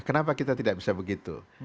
kenapa kita tidak bisa begitu